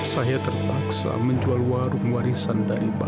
saya terpaksa menjual warung warisan dari bapak